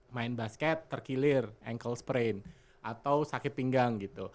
main basket terkilir ankle sprint atau sakit pinggang gitu